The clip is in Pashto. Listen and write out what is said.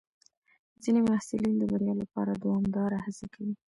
ځینې محصلین د بریا لپاره دوامداره هڅه کوي.